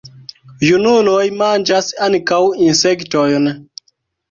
Junuloj manĝas ankaŭ insektojn.